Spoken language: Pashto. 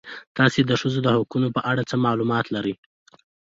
تاسې د ښځو د حقونو په اړه څه معلومات لرئ؟